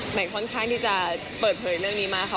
ค่อนข้างที่จะเปิดเผยเรื่องนี้มากค่ะ